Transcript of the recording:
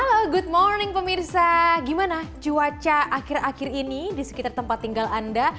halo good morning pemirsa gimana cuaca akhir akhir ini di sekitar tempat tinggal anda